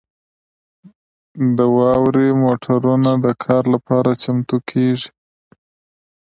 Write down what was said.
د واورې موټرونه د کار لپاره چمتو کیږي